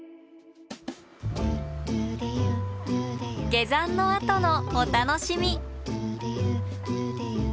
下山のあとのお楽しみ。